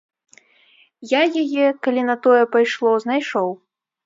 Я яе, калі на тое пайшло, знайшоў.